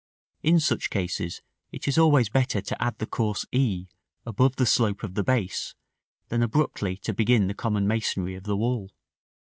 In such cases it is always better to add the course e, above the slope of the base, than abruptly to begin the common masonry of the wall.